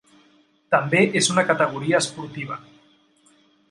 També és una categoria esportiva.